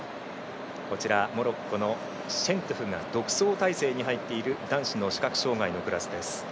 モロッコのシェントゥフが独走態勢に入っている男子の視覚障がいのクラスです。